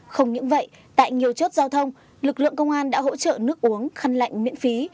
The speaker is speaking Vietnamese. không những vậy tại nhiều chốt giao thông lực lượng công an đã hỗ trợ nước uống khăn lạnh miễn phí